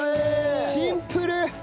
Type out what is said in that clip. シンプル！